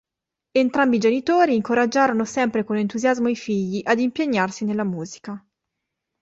Entrambi i genitori incoraggiarono sempre con entusiasmo i figli ad impegnarsi nella musica.